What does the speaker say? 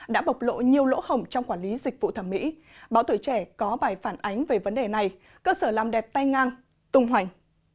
đã bộc lộ nhiều lỗ hổng trong quản lý dịch vụ thẩm mỹ báo tuổi trẻ có bài phản ánh về vấn đề này cơ sở làm đẹp tay ngang tung hoành